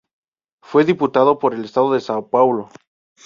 Fue diputado por el Estado de São Paulo.